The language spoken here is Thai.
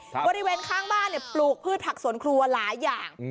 บริเวณข้างบ้านเนี่ยปลูกพืชผักสวนครัวหลายอย่าง